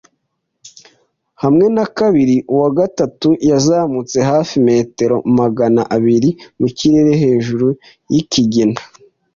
hamwe na kabiri. Uwa gatatu yazamutse hafi metero magana abiri mu kirere hejuru yikigina